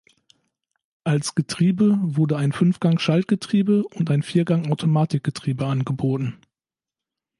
Als Getriebe wurde ein Fünfgang-Schaltgetriebe und ein Viergang-Automatikgetriebe angeboten.